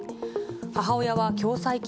母親は共済金